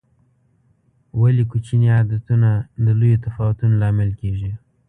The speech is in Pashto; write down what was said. ولې کوچیني عادتونه د لویو تفاوتونو لامل کېږي؟